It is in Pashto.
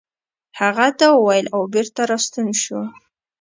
هغه دا وويل او بېرته راستون شو.